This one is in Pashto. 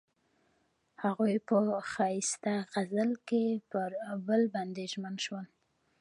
هغوی په ښایسته غزل کې پر بل باندې ژمن شول.